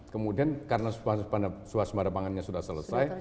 kemudian karena suasembada pangannya sudah selesai